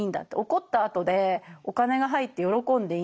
怒ったあとでお金が入って喜んでいいんだって。